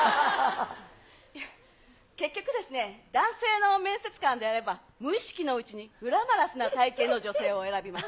いや、結局ですね、男性の面接官であれば、無意識のうちにグラマラスな体形の女性を選びます。